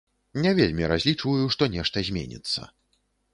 Не вельмі разлічваю, што нешта зменіцца.